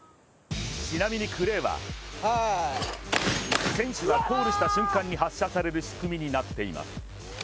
ちなみにクレーは選手がコールした瞬間に発射される仕組みになっています。